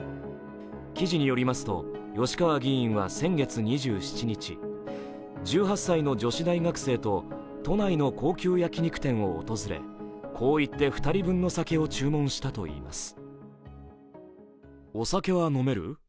記事によりますと吉川議員は先月２７日、１８歳の女子大学生と都内の高級焼き肉店を訪れ、こう言って、２人分の酒を注文したといいます。